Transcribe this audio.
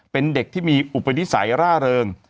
เป็นเด็กที่มีอุปนิสัยร่าเริง